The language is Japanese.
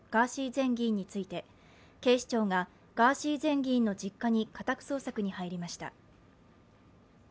前議員について警視庁がガーシー前議員の実家に家宅捜索に入りました。